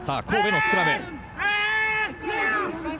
神戸のスクラム。